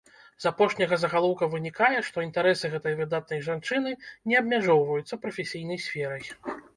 З апошняга загалоўка вынікае, што інтарэсы гэтай выдатнай жанчыны не абмяжоўваюцца прафесійнай сферай.